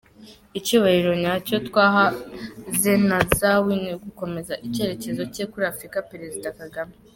Icyubahiro nyacyo twaha Zenawi ni ugukomeza icyerekezo cye kuri Afurika – Perezida Kagame